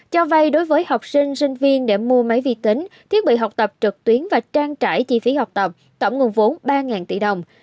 cho vay đối với học sinh sinh viên để mua máy vi tính thiết bị học tập trực tuyến và trang trải chi phí học tập tổng nguồn vốn ba tỷ đồng